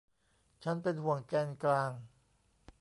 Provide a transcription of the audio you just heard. ฉันเป็นห่วงแกนกลาง